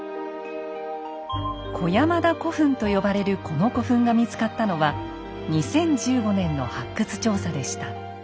小山田古墳と呼ばれるこの古墳が見つかったのは２０１５年の発掘調査でした。